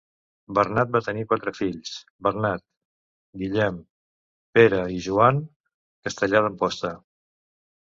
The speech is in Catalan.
Bernat va tenir quatre fills, Bernat, Guillem, Pere i Joan, castellà d'Amposta.